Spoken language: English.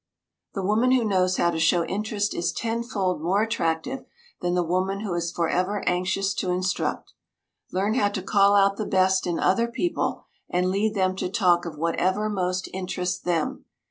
The woman who knows how to show interest is tenfold more attractive than the woman who is for ever anxious to instruct. Learn how to call out the best in other people, and lead them to talk of whatever most interests them.